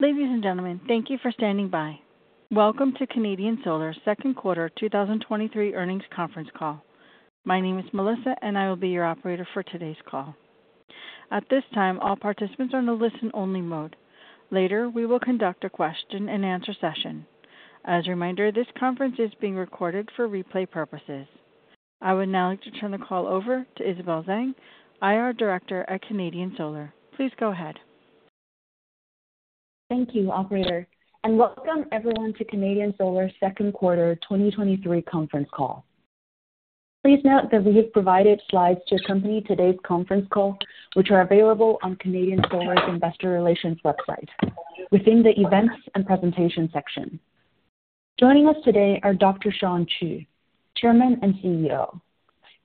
Ladies and gentlemen, thank you for standing by. Welcome to Canadian Solar Second Quarter 2023 Earnings Conference Call. My name is Melissa, and I will be your operator for today's call. At this time, all participants are in a listen-only mode. Later, we will conduct a question-and-answer session. As a reminder, this conference is being recorded for replay purposes. I would now like to turn the call over to Isabel Zhang, IR Director at Canadian Solar. Please go ahead. Thank you, operator, and welcome everyone to Canadian Solar second Quarter 2023 Conference Call. Please note that we have provided slides to accompany today's Conference Call, which are available on Canadian Solar's Investor Relations website within the Events and Presentation section. Joining us today are Dr. Shawn Qu, Chairman and CEO;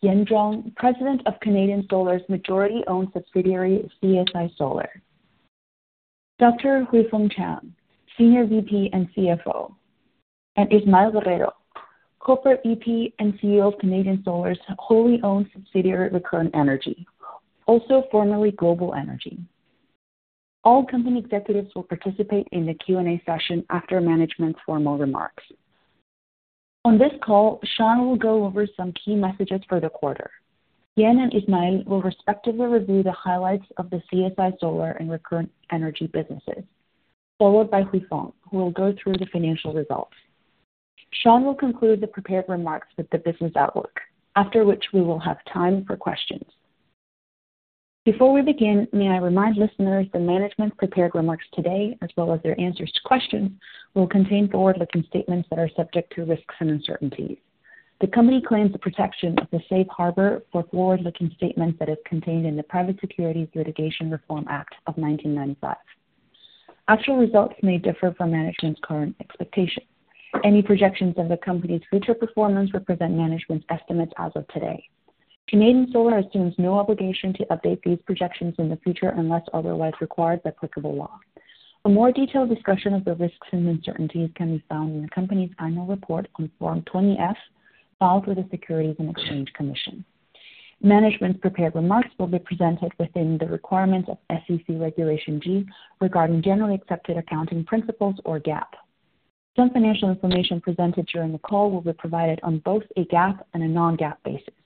Yan Zhuang, President of Canadian Solar's majority-owned subsidiary, CSI Solar; Dr. Huifeng Chang, Senior VP and CFO; and Ismael Guerrero, Corporate VP and CEO of Canadian Solar's wholly-owned subsidiary, Recurrent Energy, also formerly Global Energy. All company executives will participate in the Q&A session after management's formal remarks. On this call, Shawn will go over some key messages for the quarter. Yan and Ismael will respectively review the highlights of the CSI Solar and Recurrent Energy businesses, followed by Huifeng, who will go through the financial results. Shawn will conclude the prepared remarks with the business outlook, after which we will have time for questions. Before we begin, may I remind listeners that management's prepared remarks today, as well as their answers to questions, will contain forward-looking statements that are subject to risks and uncertainties. The company claims the protection of the safe harbor for forward-looking statements that is contained in the Private Securities Litigation Reform Act of 1995. Actual results may differ from management's current expectations. Any projections of the company's future performance represent management's estimates as of today. Canadian Solar assumes no obligation to update these projections in the future unless otherwise required by applicable law. A more detailed discussion of the risks and uncertainties can be found in the company's annual report on Form 20-F, filed with the Securities and Exchange Commission. Management's prepared remarks will be presented within the requirements of SEC Regulation G, regarding generally accepted accounting principles or GAAP. Some financial information presented during the call will be provided on both a GAAP and a non-GAAP basis.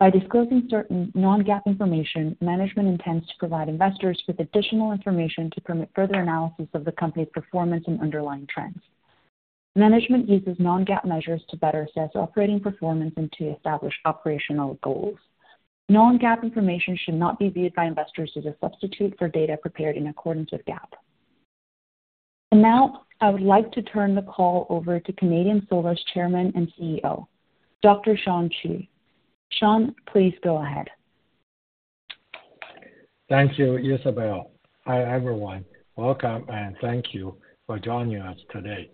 By disclosing certain non-GAAP information, management intends to provide investors with additional information to permit further analysis of the company's performance and underlying trends. Management uses non-GAAP measures to better assess operating performance and to establish operational goals. Non-GAAP information should not be viewed by investors as a substitute for data prepared in accordance with GAAP. Now, I would like to turn the call over to Canadian Solar's Chairman and CEO, Dr. Shawn Qu. Shawn, please go ahead. Thank you, Isabel. Hi, everyone. Welcome, thank you for joining us today.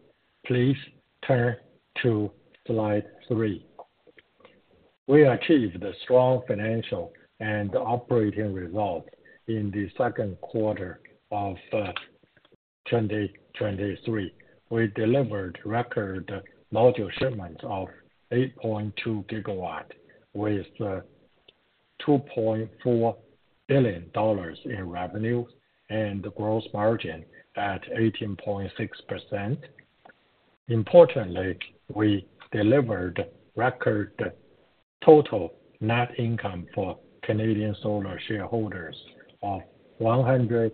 Please turn to slide three. We achieved a strong financial and operating result in the second quarter of 2023. We delivered record module shipments of 8.2 GW, with $2.4 billion in revenue and gross margin at 18.6%. Importantly, we delivered record total net income for Canadian Solar shareholders of $170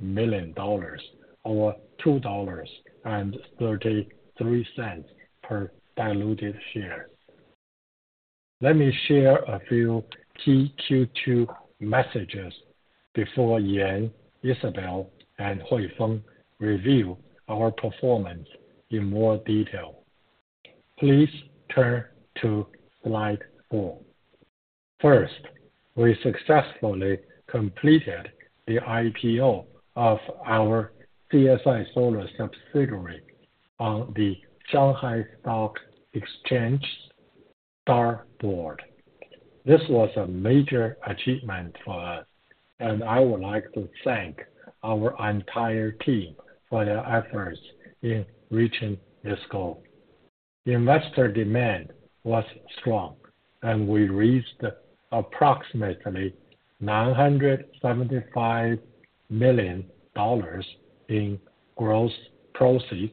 million, or $2.33 per diluted share. Let me share a few key Q2 messages before Yan, Isabel, and Huifeng review our performance in more detail. Please turn to slide four. First, we successfully completed the IPO of our CSI Solar subsidiary on the Shanghai Stock Exchange STAR Market. This was a major achievement for us. I would like to thank our entire team for their efforts in reaching this goal. Investor demand was strong, we raised approximately $975 million in gross proceeds,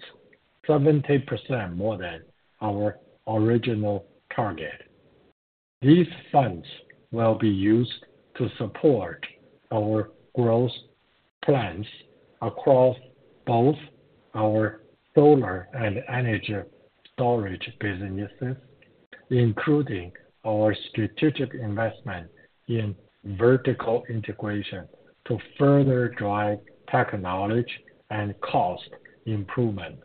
70% more than our original target. These funds will be used to support our growth plans across both our solar and energy storage businesses, including our strategic investment in vertical integration to further drive technology and cost improvements.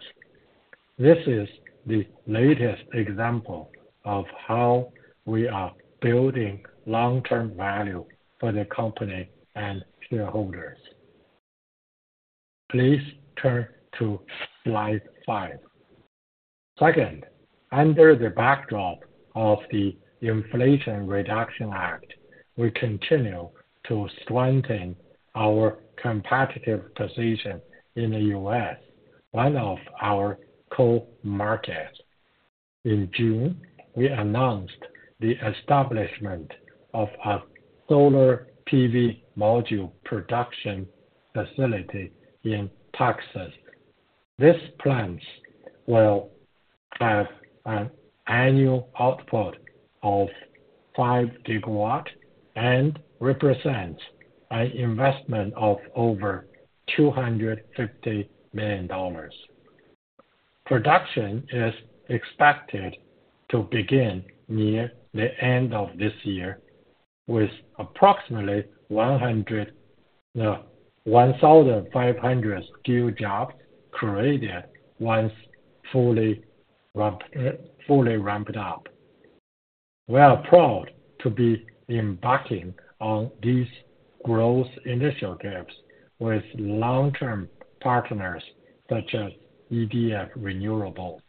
This is the latest example of how we are building long-term value for the company and shareholders. Please turn to slide five. Second, under the backdrop of the Inflation Reduction Act, we continue to strengthen our competitive position in the U.S. one of our core markets. In June, we announced the establishment of a solar PV module production facility in Texas. This plant will have an annual output of 5GW, represents an investment of over $250 million. Production is expected to begin near the end of this year, with approximately 1,500 skill jobs created once fully ramped up. We are proud to be embarking on these growth initiatives with long-term partners such as EDF Renewables,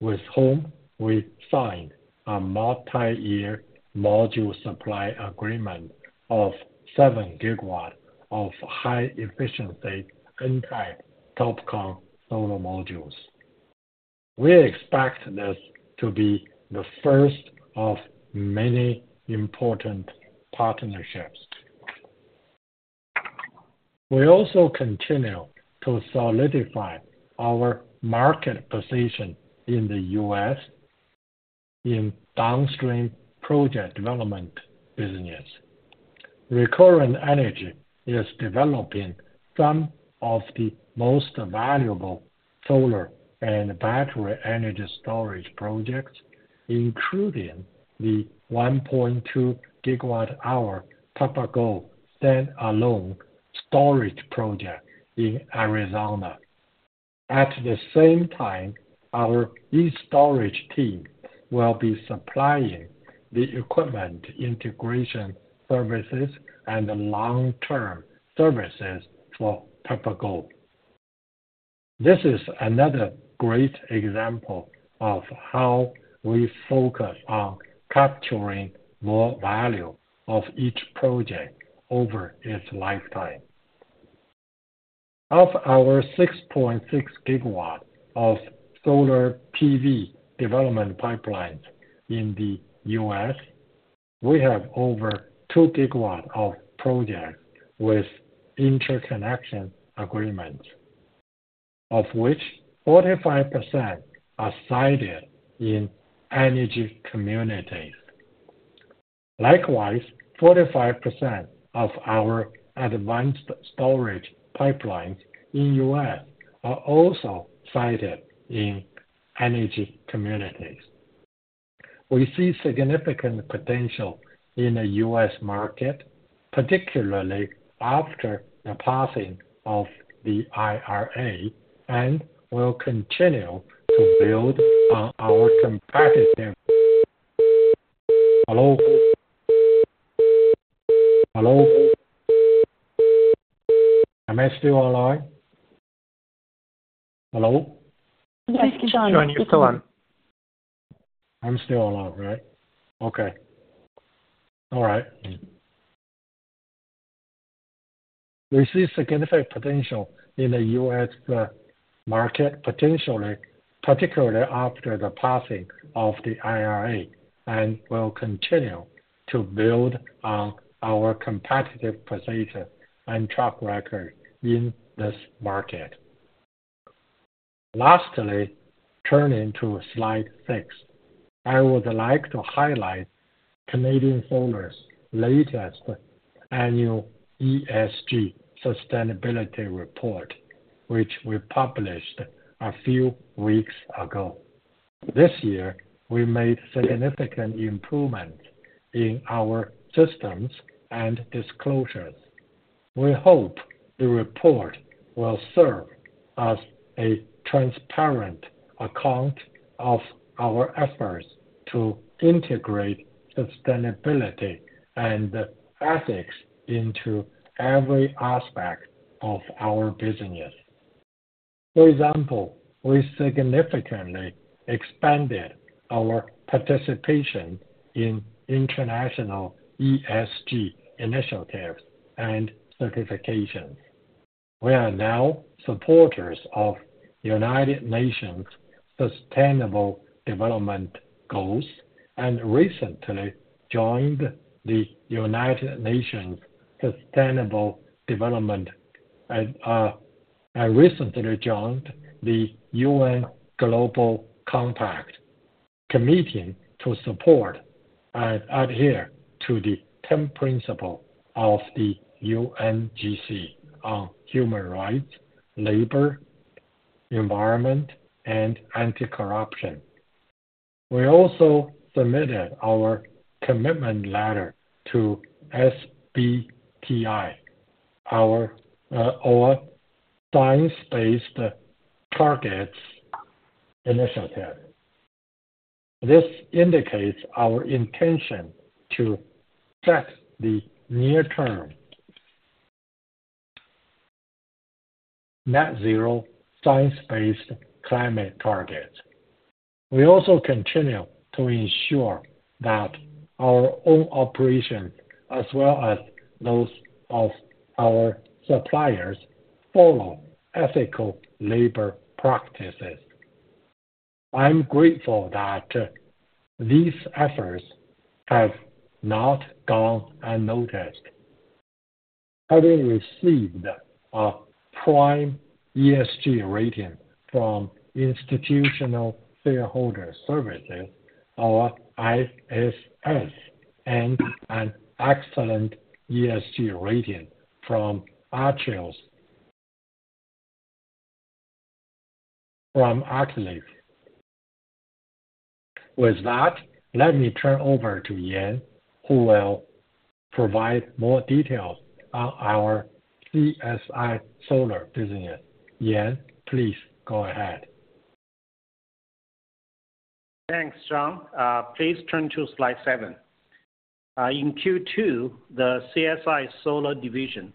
with whom we signed a multi-year module supply agreement of 7 GW of high-efficiency N-type TOPCon solar modules. We expect this to be the first of many important partnerships. We also continue to solidify our market position in the U.S. in downstream project development business. Recurrent Energy is developing some of the most valuable solar and battery energy storage projects, including the 1.2GWh Papago standalone storage project in Arizona. At the same time, our e-STORAGE team will be supplying the equipment integration services and long-term services for Papago. This is another great example of how we focus on capturing more value of each project over its lifetime. Of our 6.6GWt of solar PV development pipelines in the U.S. we have over 2 GW of projects with interconnection agreements, of which 45% are sited in energy communities. Likewise, 45% of our advanced storage pipelines in U.S. are also sited in energy communities. We see significant potential in the U.S. market, particularly after the passing of the IRA, and will continue to build on our competitive Hello? Hello? Am I still online? Hello. Yes, Shawn, you're still on. I'm still on, right? Okay. All right. We see significant potential in the U.S. market, potentially, particularly after the passing of the IRA, and will continue to build on our competitive position and track record in this market. Lastly, turning to slide six, I would like to highlight Canadian Solar's latest annual ESG sustainability report, which we published a few weeks ago. This year, we made significant improvements in our systems and disclosures. We hope the report will serve as a transparent account of our efforts to integrate sustainability and ethics into every aspect of our business. For example, we significantly expanded our participation in international ESG initiatives and certifications. We are now supporters of United Nations Sustainable Development Goals, and recently joined the United Nations Sustainable Development. Recently joined the UN Global Compact, committing to support and adhere to the 10 principles of the UNGC on human rights, labor, environment, and anti-corruption. We also submitted our commitment letter to SBTi, our, our Science Based Targets initiative. This indicates our intention to set the near-term net zero science-based climate targets. We also continue to ensure that our own operations, as well as those of our suppliers follow ethical labor practices. I'm grateful that these efforts have not gone unnoticed. Having received a prime ESG rating from Institutional Shareholder Services, our ISS, and an excellent ESG rating from Achilles, from Achilles. With that, let me turn over to Yan, who will provide more details on our CSI Solar business. Yan, please go ahead. Thanks, John. Please turn to slide seven. In Q2, the CSI Solar division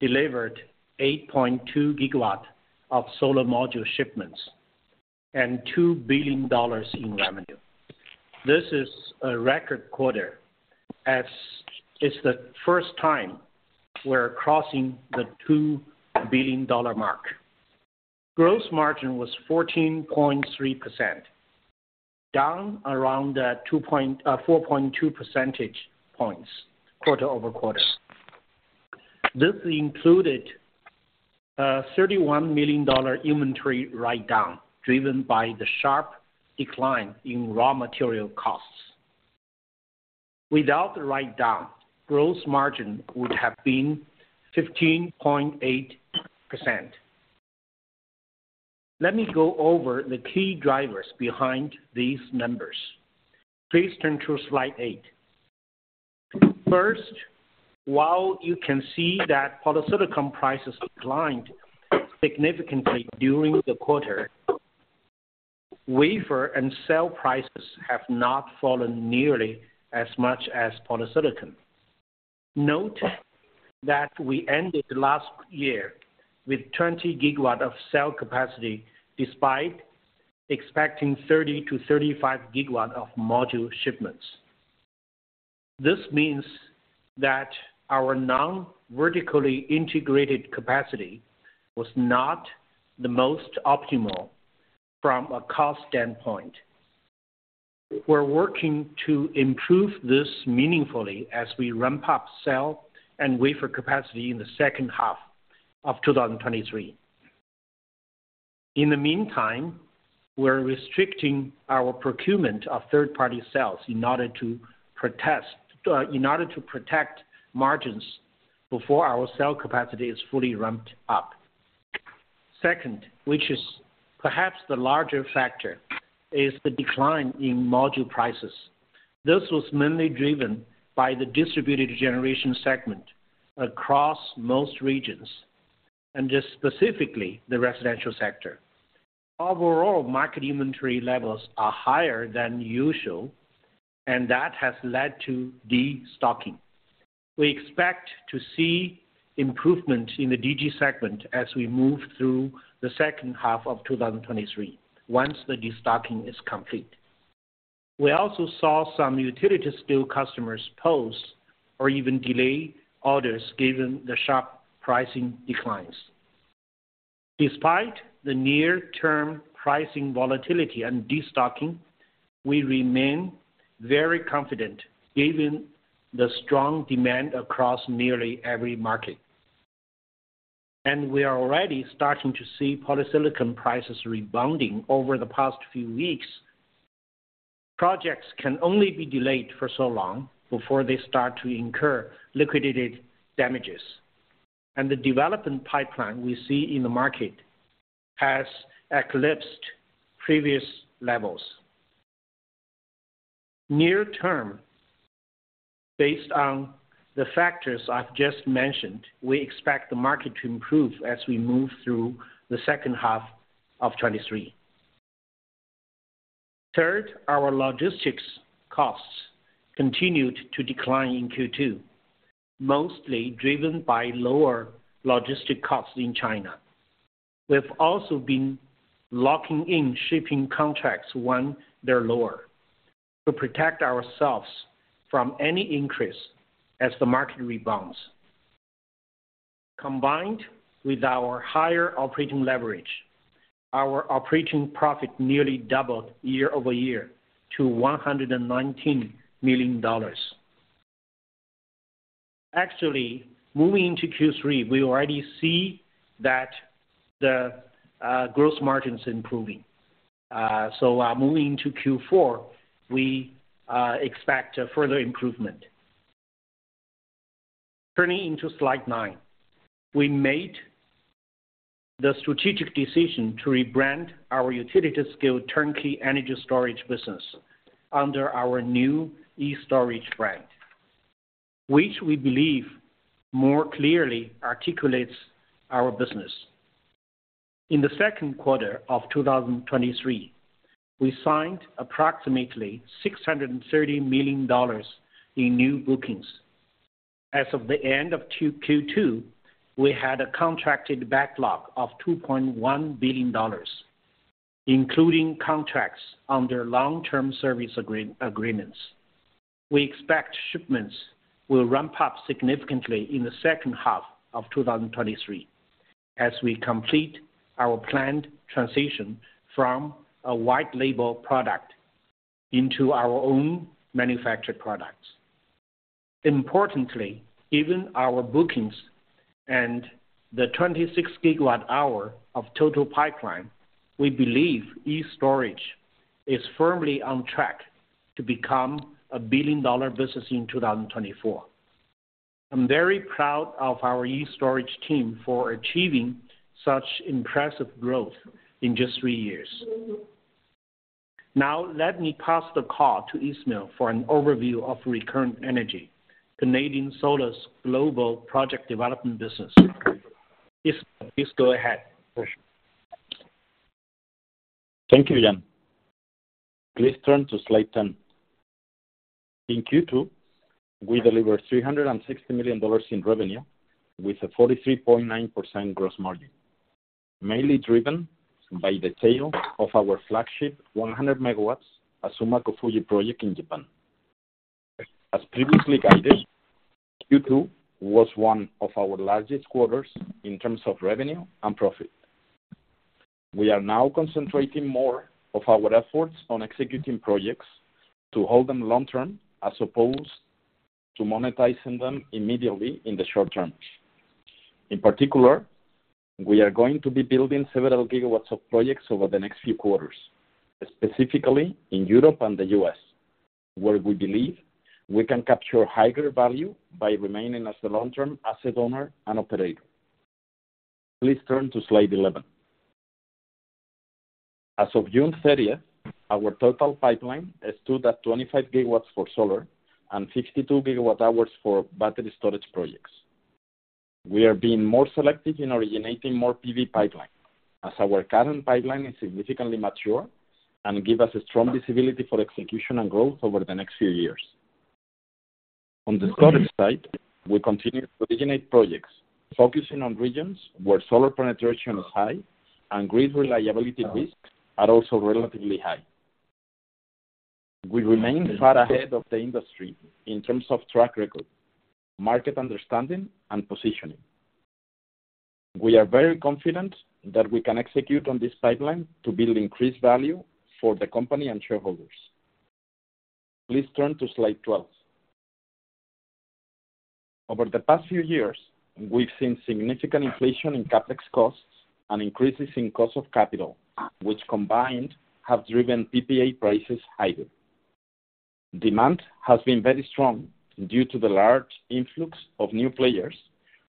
delivered 8.2 GW of solar module shipments and $2 billion in revenue. This is a record quarter, as it's the first time we're crossing the $2 billion mark. Gross margin was 14.3%, down around 4.2 percentage points quarter-over-quarter. This included a $31 million inventory write-down, driven by the sharp decline in raw material costs. Without the write-down, gross margin would have been 15.8%. Let me go over the key drivers behind these numbers. Please turn to slide eight. First, while you can see that polysilicon prices declined significantly during the quarter, wafer and cell prices have not fallen nearly as much as polysilicon. Note that we ended last year with 20 GW of cell capacity, despite expecting 30-35 GW of module shipments. This means that our non-vertically integrated capacity was not the most optimal from a cost standpoint. We're working to improve this meaningfully as we ramp up cell and wafer capacity in the second half of 2023. In the meantime, we're restricting our procurement of third-party cells in order to protect margins before our cell capacity is fully ramped up. Second, which is perhaps the larger factor, is the decline in module prices. This was mainly driven by the distributed generation segment across most regions, just specifically, the residential sector. Overall, market inventory levels are higher than usual, that has led to destocking. We expect to see improvement in the DG segment as we move through the second half of 2023, once the destocking is complete. We also saw some utility scale customers pause or even delay orders, given the sharp pricing declines. Despite the near-term pricing volatility and destocking, we remain very confident, given the strong demand across nearly every market. We are already starting to see polysilicon prices rebounding over the past few weeks. Projects can only be delayed for so long before they start to incur liquidated damages, and the development pipeline we see in the market has eclipsed previous levels. Near term, based on the factors I've just mentioned, we expect the market to improve as we move through the second half of 2023. Third, our logistics costs continued to decline in Q2, mostly driven by lower logistic costs in China. We've also been locking in shipping contracts when they're lower, to protect ourselves from any increase as the market rebounds. Combined with our higher operating leverage, our operating profit nearly doubled year-over-year to $119 million. Actually, moving into Q3, we already see that the gross margin is improving. Moving into Q4, we expect a further improvement. Turning into slide nine. We made the strategic decision to rebrand our utility scale turnkey energy storage business under our new e-STORAGE brand, which we believe more clearly articulates our business. In the second quarter of 2023, we signed approximately $630 million in new bookings. As of the end of Q2, we had a contracted backlog of $2.1 billion, including contracts under long-term service agreements. We expect shipments will ramp up significantly in the second half of 2023, as we complete our planned transition from a white label product into our own manufactured products. Importantly, given our bookings and the 26 GW hour of total pipeline, we believe e-STORAGE is firmly on track to become a billion-dollar business in 2024. I'm very proud of our e-STORAGE team for achieving such impressive growth in just three years. Now, let me pass the call to Ismael for an overview of Recurrent Energy, Canadian Solar's global project development business. Ismael, please go ahead. Thank you, Yan. Please turn to slide 10. In Q2, we delivered $360 million in revenue with a 43.9% gross margin, mainly driven by the sale of our flagship 100 MW Azuma Kofuji project in Japan. As previously guided, Q2 was one of our largest quarters in terms of revenue and profit. We are now concentrating more of our efforts on executing projects to hold them long-term, as opposed to monetizing them immediately in the short term. In particular, we are going to be building several GW of projects over the next few quarters, specifically in Europe and the U.S. where we believe we can capture higher value by remaining as the long-term asset owner and operator. Please turn to slide 11. As of June 30th, our total pipeline stood at 25 GW for solar and 62 GWh for battery storage projects. We are being more selective in originating more PV pipeline, as our current pipeline is significantly mature and give us a strong visibility for execution and growth over the next few years. On the storage side, we continue to originate projects, focusing on regions where solar penetration is high and grid reliability risks are also relatively high. We remain far ahead of the industry in terms of track record, market understanding, and positioning. We are very confident that we can execute on this pipeline to build increased value for the company and shareholders. Please turn to slide 12. Over the past few years, we've seen significant inflation in CapEx costs and increases in cost of capital, which combined, have driven PPA prices higher. Demand has been very strong due to the large influx of new players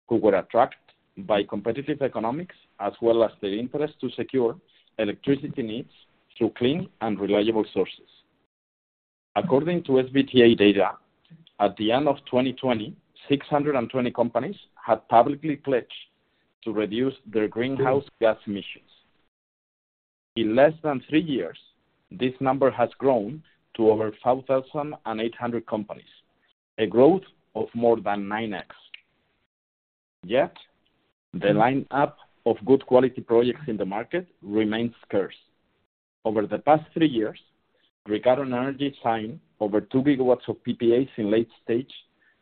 who were attracted by competitive economics, as well as the interest to secure electricity needs through clean and reliable sources. According to SBTi data, at the end of 2020, 620 companies had publicly pledged to reduce their greenhouse gas emissions. In less than 3 years, this number has grown to over 4,800 companies, a growth of more than 9x. Yet, the line-up of good quality projects in the market remains scarce. Over the past 3 years, Recurrent Energy signed over 2 GWs of PPAs in late-stage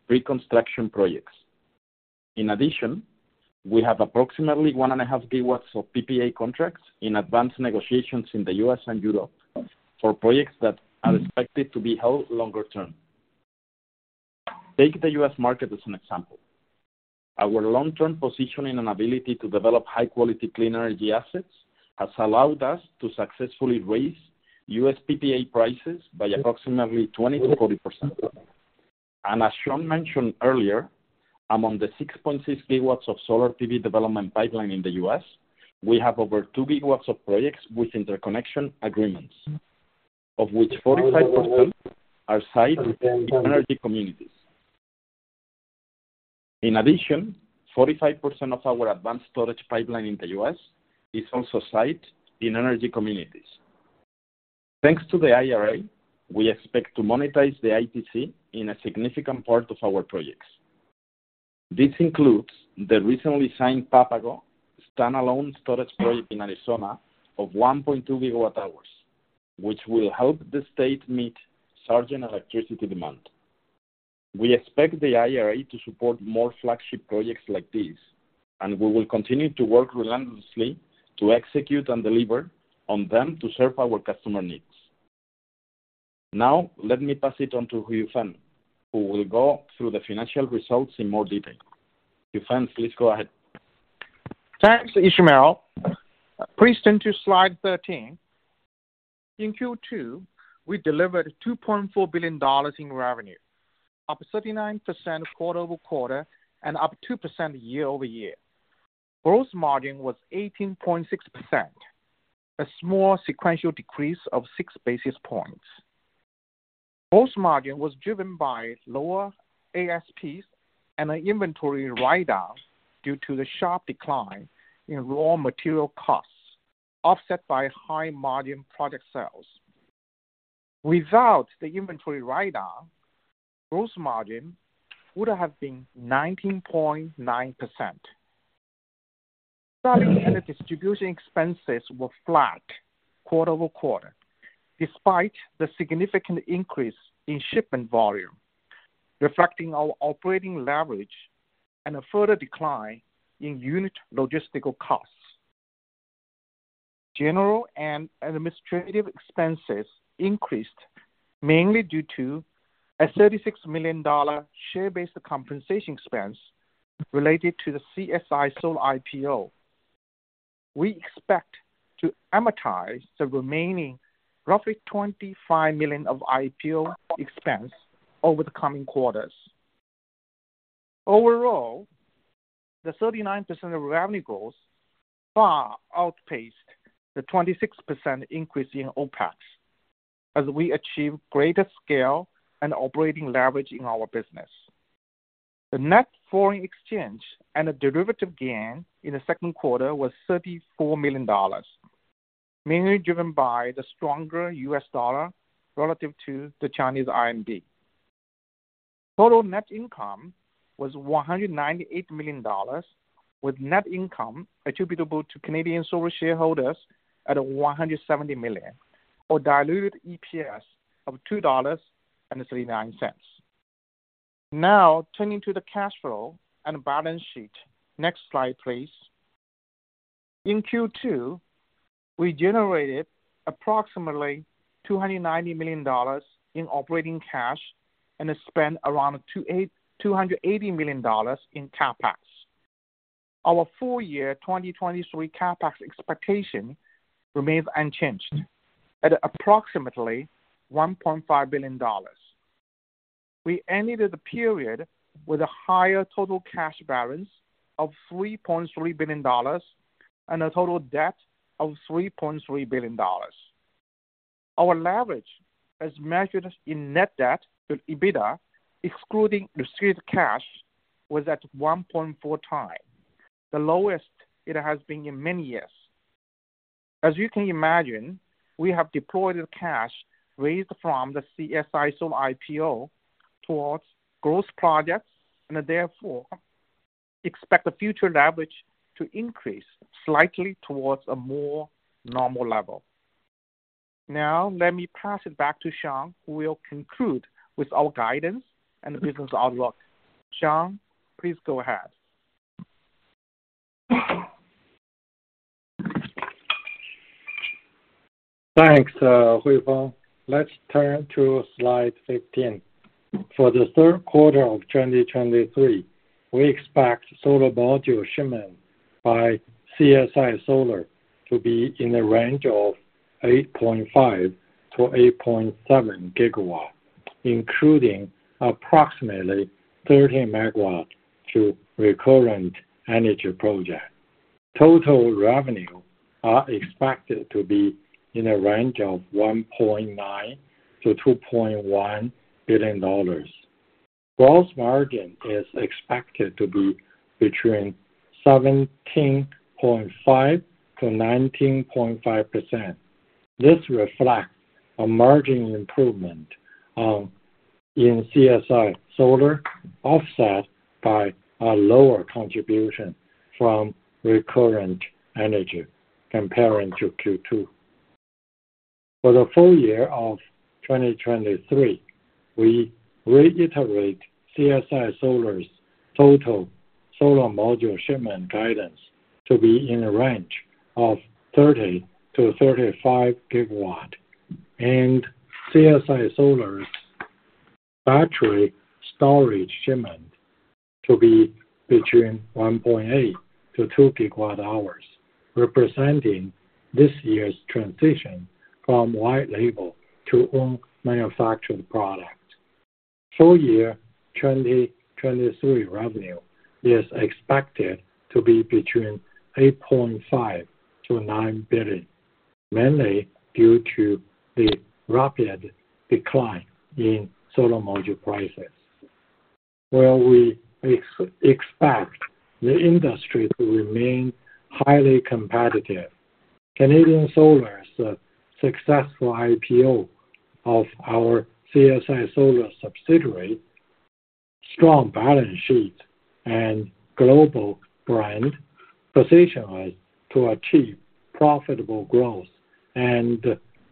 reconstruction projects. In addition, we have approximately 1.5 GWs of PPA contracts in advanced negotiations in the US and Europe, for projects that are expected to be held longer term. Take the US market as an example. Our long-term positioning and ability to develop high-quality clean energy assets has allowed us to successfully raise U.S. PPA prices by approximately 20%-40%. As Shawn mentioned earlier, among the 6.6 GWs of solar PV development pipeline in the U.S., we have over 2 GWs of projects with interconnection agreements, of which 45% are site in energy communities. In addition, 45% of our advanced storage pipeline in the U.S. is also sited in energy communities. Thanks to the IRA, we expect to monetize the ITC in a significant part of our projects. This includes the recently signed Papago standalone storage project in Arizona of 1.2 GW hours, which will help the state meet surging electricity demand. We expect the IRA to support more flagship projects like these, and we will continue to work relentlessly to execute and deliver on them to serve our customer needs. Let me pass it on to Huifeng, who will go through the financial results in more detail. Huifeng, please go ahead. Thanks, Ismael. Please turn to slide 13. In Q2, we delivered $2.4 billion in revenue, up 39% quarter-over-quarter, and up 2% year-over-year. Gross margin was 18.6%, a small sequential decrease of 6 basis points. Gross margin was driven by lower ASP and an inventory write-down due to the sharp decline in raw material costs, offset by high-margin product sales. Without the inventory write-down, gross margin would have been 19.9%. Selling and distribution expenses were flat quarter-over-quarter, despite the significant increase in shipment volume, reflecting our operating leverage and a further decline in unit logistical costs. General and administrative expenses increased, mainly due to a $36 million share-based compensation expense related to the CSI Solar IPO. We expect to amortize the remaining roughly $25 million of IPO expense over the coming quarters. Overall, the 39% of revenue growth far outpaced the 26% increase in OpEx, as we achieve greater scale and operating leverage in our business. The net foreign exchange and the derivative gain in the second quarter was $34 million, mainly driven by the stronger U.S. dollar relative to the Chinese RMB. Total net income was $198 million, with net income attributable to Canadian Solar shareholders at $170 million, or diluted EPS of $2.39. Now, turning to the cash flow and balance sheet. Next slide, please. In Q2, we generated approximately $290 million in operating cash and spent around $280 million in CapEx. Our full year 2023 CapEx expectation remains unchanged at approximately $1.5 billion. We ended the period with a higher total cash balance of $3.3 billion and a total debt of $3.3 billion. Our leverage, as measured in Net Debt to EBITDA, excluding received cash, was at 1.4x, the lowest it has been in many years. As you can imagine, we have deployed the cash raised from the CSI Solar IPO towards growth projects and therefore expect the future leverage to increase slightly towards a more normal level. Now, let me pass it back to Shawn, who will conclude with our guidance and business outlook. Shawn, please go ahead. Thanks, Huifeng. Let's turn to slide 15. For the third quarter of 2023, we expect solar module shipments by CSI Solar to be in the range of 8.5-8.7 GWs, including approximately 13MW through Recurrent Energy project. Total revenue are expected to be in a range of $1.9 billion-$2.1 billion. Gross margin is expected to be between 17.5%-19.5%. This reflects a margin improvement in CSI Solar, offset by a lower contribution from Recurrent Energy comparing to Q2. For the full year of 2023, we reiterate CSI Solar's total solar module shipment guidance to be in a range of 30-35 GW, and CSI Solar's battery storage shipment to be between 1.8-2 GWh, representing this year's transition from white label to own manufactured product. Full year 2023 revenue is expected to be between $8.5 billion-$9 billion, mainly due to the rapid decline in solar module prices. We expect the industry to remain highly competitive, Canadian Solar's successful IPO of our CSI Solar subsidiary, strong balance sheet, and global brand position us to achieve profitable growth and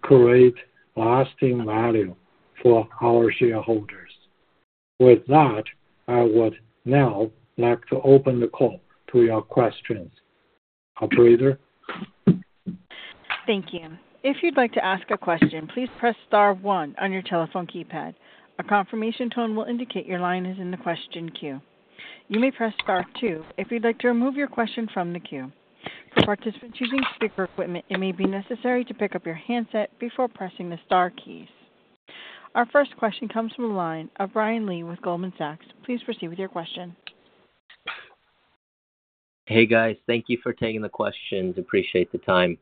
create lasting value for our shareholders. With that, I would now like to open the call to your questions. Operator? Thank you. If you'd like to ask a question, please press star one on your telephone keypad. A confirmation tone will indicate your line is in the question queue. You may press star two if you'd like to remove your question from the queue. For participants using speaker equipment, it may be necessary to pick up your handset before pressing the star keys. Our first question comes from the line of Brian Lee with Goldman Sachs. Please proceed with your question. Hey, guys. Thank you for taking the questions. Appreciate the time.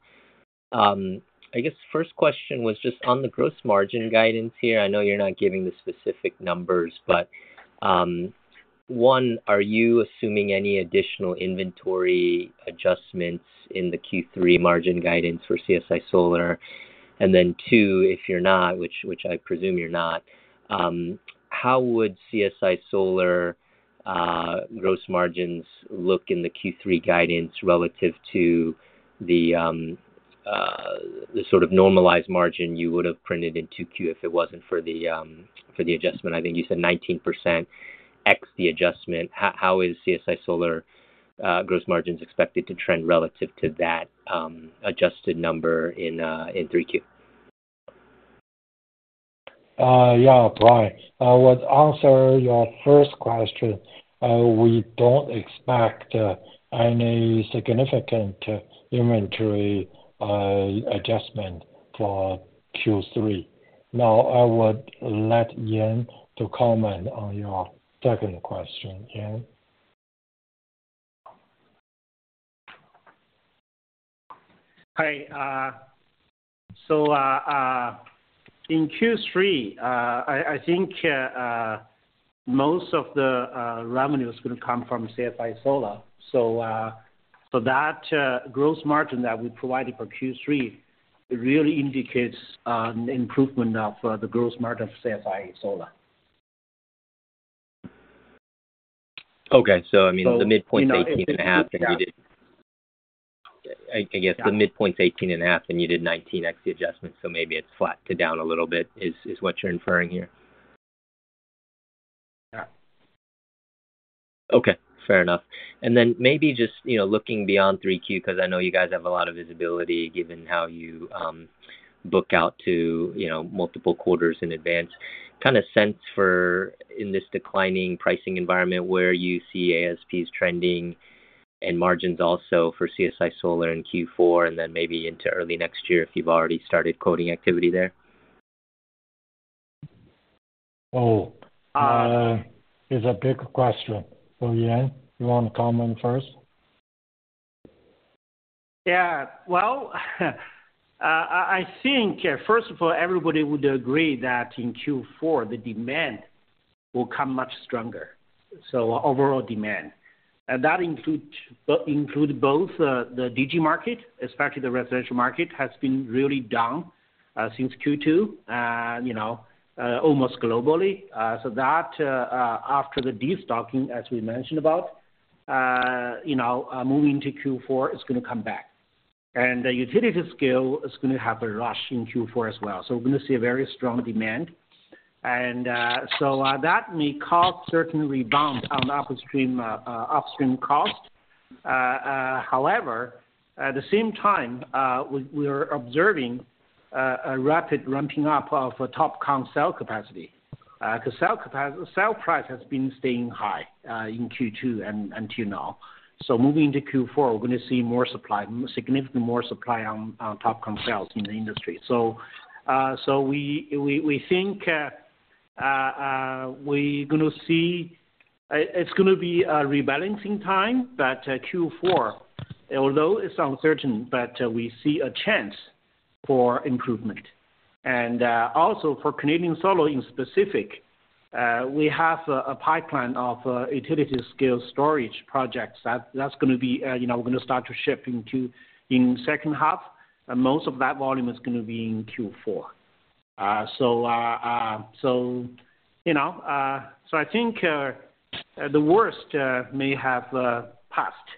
I guess the first question was just on the gross margin guidance here. I know you're not giving the specific numbers, but. One, are you assuming any additional inventory adjustments in the Q3 margin guidance for CSI Solar? Two, if you're not, which, which I presume you're not, how would CSI Solar gross margins look in the Q3 guidance relative to the sort of normalized margin you would have printed in two Q if it wasn't for the adjustment? I think you said 19% X the adjustment. How, how is CSI Solar gross margins expected to trend relative to that adjusted number in three Q? Yeah, Brian, with answer your first question, we don't expect any significant inventory adjustment for Q3. Now, I would let Yan to comment on your second question. Yan? Hi, so, in Q3, I, I think, most of the revenue is gonna come from CSI Solar. That gross margin that we provided for Q3, it really indicates an improvement of the gross margin of CSI Solar. Okay. I mean, the midpoint is 18.5, you did- Yeah. I guess the midpoint is 18.5, and you did 19x the adjustment, so maybe it's flat to down a little bit, is what you're inferring here? Yeah. Okay, fair enough. Then maybe just, you know, looking beyond 3Q, 'cause I know you guys have a lot of visibility, given how you book out to, you know, multiple quarters in advance. Kind of sense for, in this declining pricing environment, where you see ASP trending and margins also for CSI Solar in Q4, and then maybe into early next year, if you've already started quoting activity there? Oh, it's a big question. Yan, you want to comment first? Yeah. Well, I think, first of all, everybody would agree that in Q4, the demand will come much stronger, so overall demand. That include, include both the DG market, especially the residential market, has been really down since Q2, you know, almost globally. That after the destocking, as we mentioned about, you know, moving into Q4, is going to come back. The utility scale is going to have a rush in Q4 as well. We're going to see a very strong demand. That may cause certain rebound on the upstream upstream cost. However, at the same time, we are observing a rapid ramping up of TOPCon cell capacity. The cell price has been staying high in Q2 and until now. Moving into Q4, we're going to see more supply, significantly more supply on, on TOPCon cells in the industry. We think, we're gonna see, it's gonna be a rebalancing time, but Q4, although it's uncertain, but we see a chance for improvement. Also for Canadian Solar in specific, we have a pipeline of utility scale storage projects. That's gonna be, you know, we're gonna start to ship in Q in second half, and most of that volume is gonna be in Q4. You know, I think, the worst, may have, passed.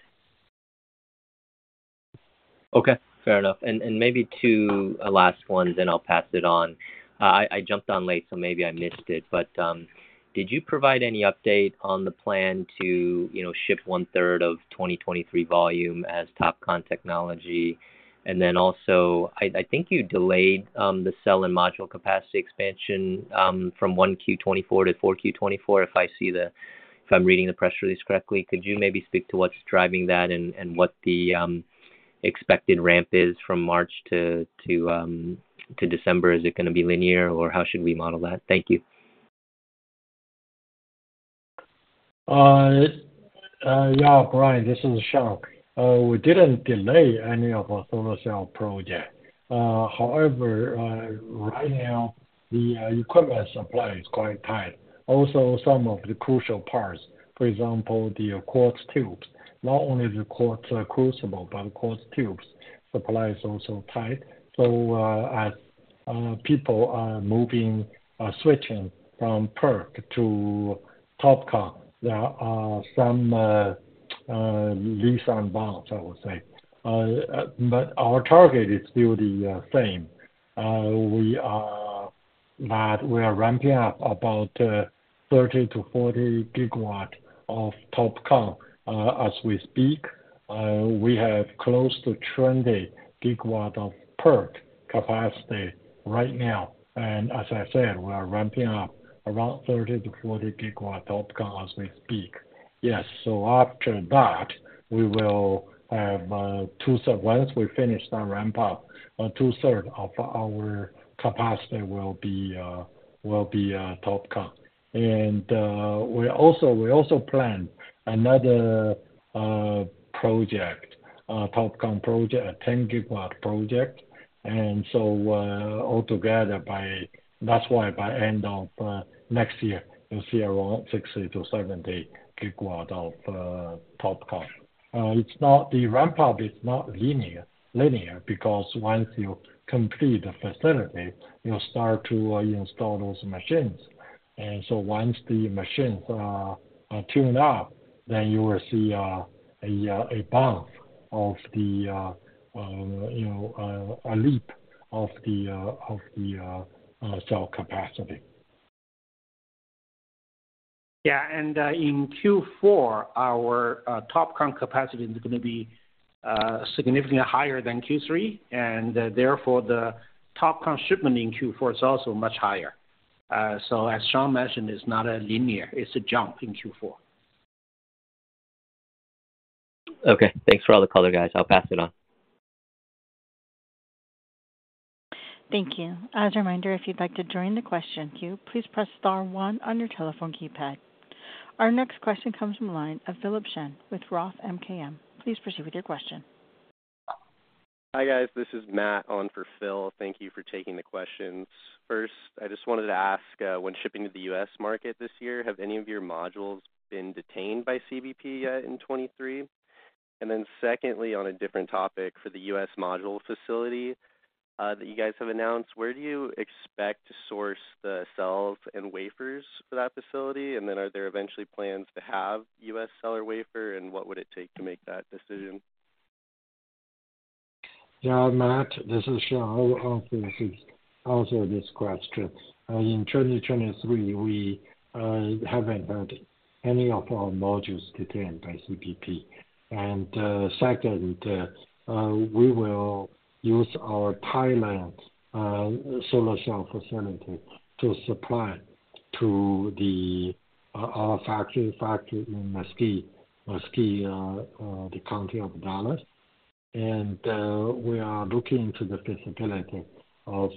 Okay, fair enough. Maybe two last ones, then I'll pass it on. I, I jumped on late, so maybe I missed it, but did you provide any update on the plan to, you know, ship one third of 2023 volume as TOPCon technology? Also, I, I think you delayed the cell and module capacity expansion from 1Q 2024 to 4Q 2024, if I see the-- if I'm reading the press release correctly. Could you maybe speak to what's driving that and, and what the expected ramp is from March to, to December? Is it gonna be linear, or how should we model that? Thank you. Yeah, Brian, this is Shawn. We didn't delay any of our solar cell project. However, right now, the equipment supply is quite tight. Also, some of the crucial parts, for example, the quartz tubes. Not only the quartz crucible, but quartz tubes, supply is also tight. As people are moving, switching from PERC to TOPCon, there are some lease on bonds, I would say. Our target is still the same. We are, that we are ramping up about 30-40 GW of TOPCon. As we speak, we have close to 20 GW of PERC capacity right now, and as I said, we are ramping up around 30-40 GW of TOPCon as we speak. Yes, after that, once we finish the ramp up, two-thirds of our capacity will be TOPCon. We also, we also plan another project, TOPCon project, a 10-GW project. Altogether. That's why by end of next year, you'll see around 60-70 GWs of TOPCon. It's not the ramp up is not linear, linear, because once you complete the facility, you start to install those machines. Once the machines are, are tuned up, then you will see a bump of the, you know, a leap of the of the cell capacity. Yeah, in Q4, our TOPCon capacity is going to be significantly higher than Q3, and therefore, the TOPCon shipment in Q4 is also much higher. As Shawn mentioned, it's not a linear, it's a jump in Q4. Okay, thanks for all the color, guys. I'll pass it on. Thank you. As a reminder, if you'd like to join the question queue, please press star one on your telephone keypad. Our next question comes from the line of Philip Shen with Roth MKM. Please proceed with your question. Hi, guys. This is Matt on for Phil. Thank you for taking the questions. First, I just wanted to ask, when shipping to the U.S. market this year, have any of your modules been detained by CBP, in 2023? Secondly, on a different topic, for the U.S. module facility, that you guys have announced, where do you expect to source the cells and wafers for that facility? Are there eventually plans to have U.S. seller wafer, and what would it take to make that decision? Yeah, Matt, this is Shawn. I'll, I'll answer, answer this question. In 2023, we haven't had any of our modules detained by CBP. Second, we will use our Thailand solar cell facility to supply to the, our factory, factory in Mesquite. Mesquite, the county of Dallas. We are looking into the possibility of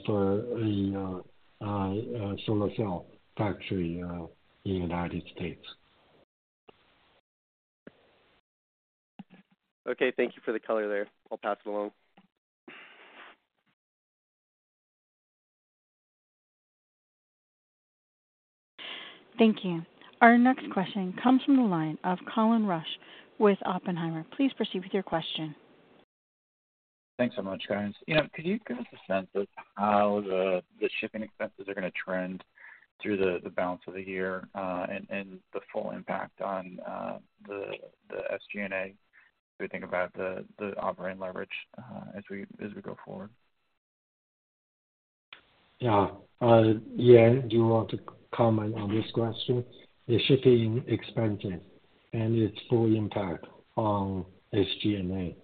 a solar cell factory in the United States. Okay, thank you for the color there. I'll pass it along. Thank you. Our next question comes from the line of Colin Rusch with Oppenheimer. Please proceed with your question. Thanks so much, guys. You know, could you give us a sense of how the shipping expenses are going to trend through the balance of the year, and the full impact on the SG&A, we think about the operating leverage, as we go forward? Yeah. Yan, do you want to comment on this question, the shipping expenses and its full impact on SG&A?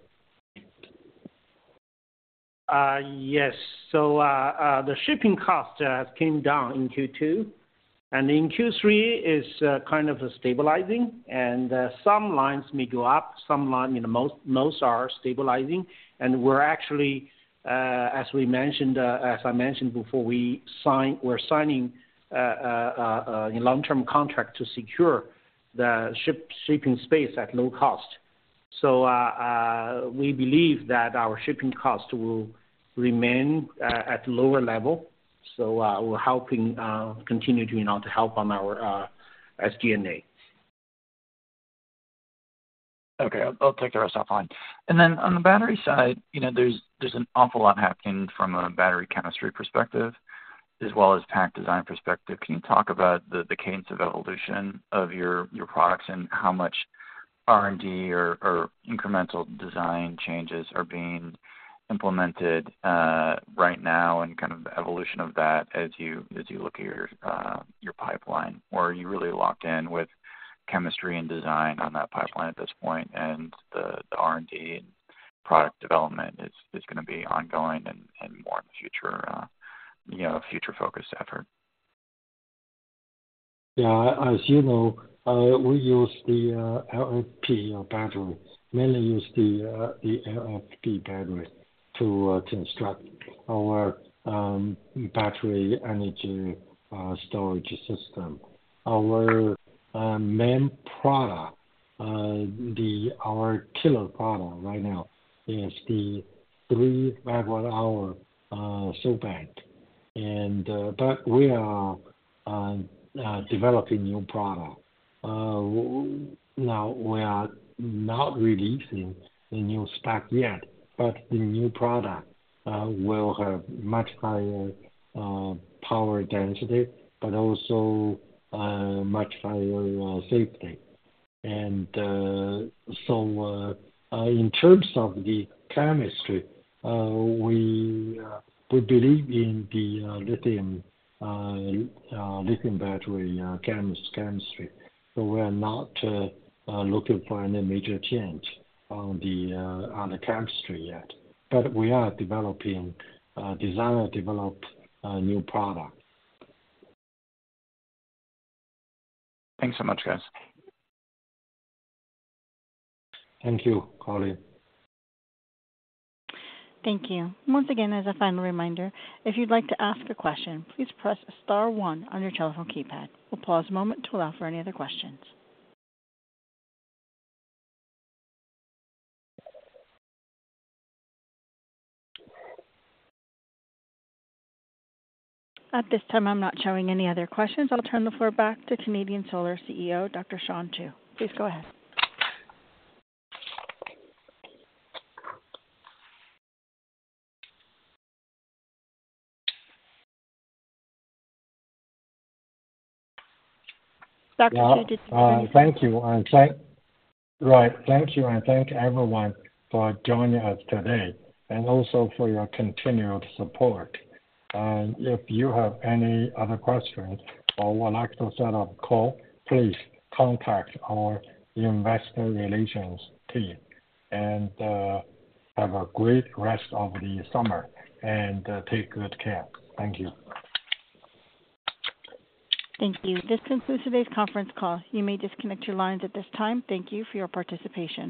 Yes. The shipping cost came down in Q2, and in Q3 is kind of stabilizing, and some lines may go up, some line, you know, most, most are stabilizing. We're actually, as we mentioned, as I mentioned before, we sign- we're signing a long-term contract to secure the ship- shipping space at low cost. We believe that our shipping cost will remain at lower level, so will helping continue to, you know, to help on our SG&A. Okay, I'll take the rest offline. Then on the battery side, you know, there's, there's an awful lot happening from a battery chemistry perspective as well as pack design perspective. Can you talk about the cadence of evolution of your, your products and how much R&D or, or incremental design changes are being implemented, right now, and kind of the evolution of that as you, as you look at your, your pipeline? Or are you really locked in with chemistry and design on that pipeline at this point, and the, the R&D product development is, is going to be ongoing and, and more future, you know, future-focused effort? Yeah, as you know, we use the LFP battery, mainly use the LFP battery to construct our Battery Energy Storage System. Our main product, our killer product right now is the 3 MWh SolBank. But we are developing new product. Now, we are not releasing the new spec yet, but the new product will have much higher power density, but also much higher safety. In terms of the chemistry, we believe in the lithium lithium battery chemistry. We are not looking for any major change on the chemistry yet, but we are developing design, develop new products. Thanks so much, guys. Thank you, Colin. Thank you. Once again, as a final reminder, if you'd like to ask a question, please press star one on your telephone keypad. We'll pause a moment to allow for any other questions. At this time, I'm not showing any other questions. I'll turn the floor back to Canadian Solar CEO, Dr. Shawn Qu. Please go ahead. Shawn Qu, did- Thank you. Thank you, and thank everyone for joining us today and also for your continued support. If you have any other questions or would like to set up a call, please contact our investor relations team. Have a great rest of the summer and take good care. Thank you. Thank you. This concludes today's Conference Call. You may disconnect your lines at this time. Thank you for your participation.